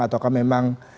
atau akan memang